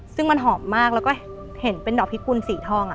ซึ่งมันหอมมากแล้วก็เห็นเป็นดอกพิกุลสีทอง